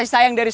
lu sendiri juga